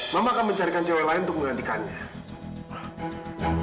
mama akan mencarikan cewek lain untuk menggantikannya